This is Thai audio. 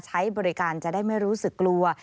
ใช้บริการจะได้ไม่รู้สึกกลัว